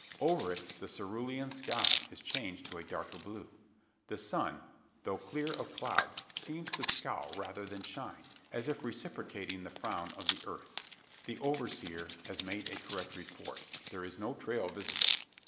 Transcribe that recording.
Over it the cerulean sky is changed to a darker blue; the sun, though clear of clouds, seems to scowl rather than shine as if reciprocating the frown of the earth. The overseer has made a correct report there is no trail visible.